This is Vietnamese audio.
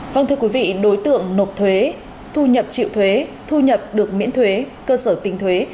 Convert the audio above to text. vâng thưa quý vị đối tượng nộp thuế thu nhập chịu thuế thu nhập được miễn thuế cơ sở tinh thuế